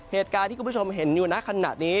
เหตุการณ์ที่คุณผู้ชมเห็นอยู่ในขณะนี้